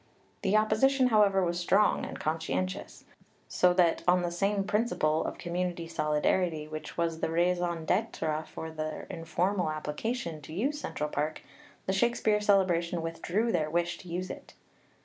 The opposition, however, was strong and conscientious; so that, on the same principle of community solidarity which was the raison d'etre for their informal application to use Central Park, the Shakespeare Celebration withdrew their wish to use it.